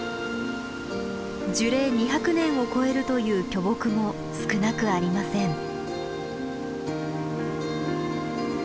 樹齢２００年を超えるという巨木も少なくありません。